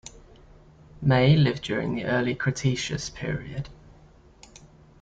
"Mei" lived during the Early Cretaceous Period.